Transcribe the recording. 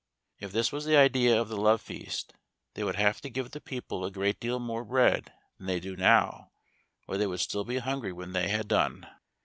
If this was the idea of the love feast, they would have to give the people a great deal more bread than they do now, or they would still be hungry when they had done.